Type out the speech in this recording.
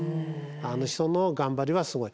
あの人の頑張りはすごい。